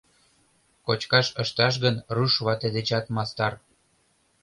Кочкаш ышташ гын руш вате дечат мастар.